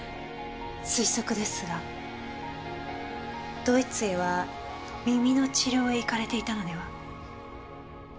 推測ですがドイツへは耳の治療へ行かれていたのでは？